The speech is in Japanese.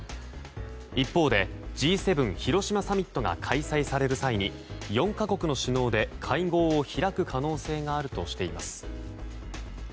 一方で、Ｇ７広島サミットが開催される際に４か国の首脳で会合を開く可能性があるとしています。